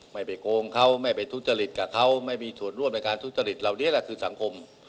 ไม่ไปโกงเขาไม่ไปทุจริตกับเขาไม่มีส่วนร่วมในการทุจริตเหล่านี้แหละคือสังคม